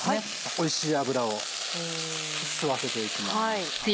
おいしい脂を吸わせていきます。